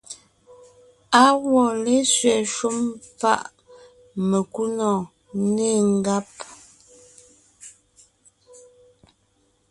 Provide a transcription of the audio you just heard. Á wɔ́ lésẅɛ shúm páʼ mekúnɔ̀ɔn, nê ngáb.